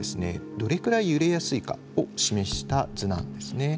どれくらい揺れやすいかを示した図なんですね。